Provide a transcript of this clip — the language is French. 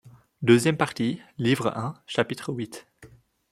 Deuxième partie, Livre un, Chapitre huit.